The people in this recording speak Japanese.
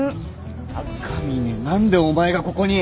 赤嶺何でお前がここに。